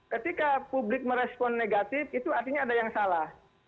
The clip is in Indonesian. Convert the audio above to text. ketika publik merespon negatif itu artinya ada yang salah